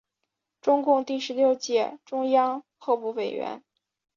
中共第十六届中央候补委员。